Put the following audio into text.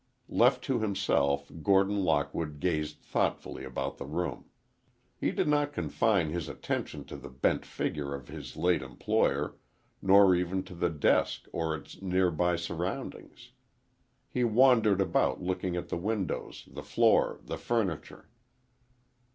Left to himself, Gordon Lockwood gazed thoughtfully about the room. He did not confine his attention to the bent figure of his late employer, nor even to the desk or its nearby surroundings. He wandered about looking at the windows, the floor, the furniture.